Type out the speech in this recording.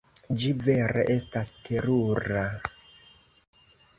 Ĝi vere estas terura.